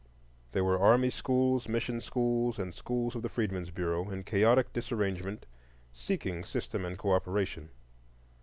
There were army schools, mission schools, and schools of the Freedmen's Bureau in chaotic disarrangement seeking system and co operation.